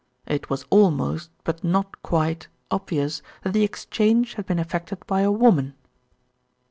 "It was almost, but not quite, obvious that the exchange had been effected by a woman."